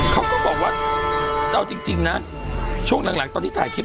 เขาก็บอกว่าเอาจริงนะช่วงหลังตอนที่ถ่ายคลิป